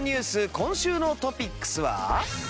今週のトピックスは。